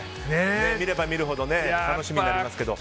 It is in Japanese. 見れば見るほど楽しみになりますけど。